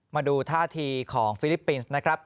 มาดูท่าทีของฟิลิปปินส์นะครับ